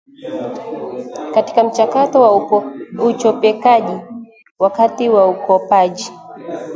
katika mchakato wa uchopekaji wakati wa ukopaji